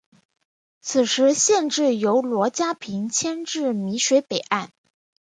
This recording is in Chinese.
此时县治由罗家坪迁至洣水北岸。